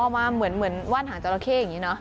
มาเหมือนว่านหางจราเข้อย่างนี้เนอะ